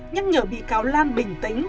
nhắc nhở bị cáo lan bình tĩnh